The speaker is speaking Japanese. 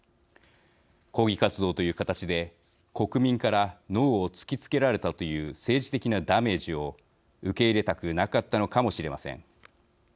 抗議活動という形で、国民から「ノー」を突き付けられたという政治的なダメージを受け入れたくなかったのかもしれません。